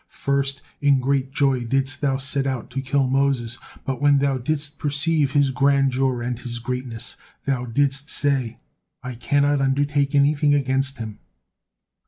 First in great joy didst thou set out to kill Moses, but when thou didst perceive his grandeur and his greatness, thou didst say, 'I cannot undertake anything against him.'